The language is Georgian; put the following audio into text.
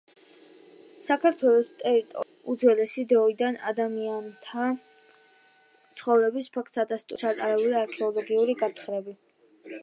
საქართველოს ტერიტორიაზე უძველესი დროიდან ადამიანთა ცხოვრების ფაქტს ადასტურებს დმანისში ჩატარებული არქეოლოგიური გათხრები.